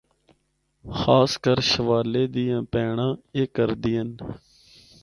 خاص کر شوالے دیاں پہینڑاں اے کردیان۔